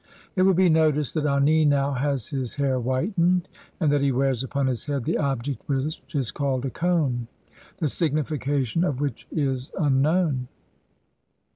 It will be noticed that Ani now has his hair whitened, and that he wears upon his head the object which is called a cone, the signification of which is unknown.